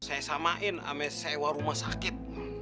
saya samain sampai sewa rumah sakit